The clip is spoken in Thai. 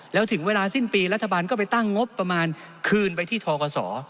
แล้วถึงเวลาสิ้นปีรัฐบาลก็ไปตั้งงบประมาณคืนไปที่ทกศ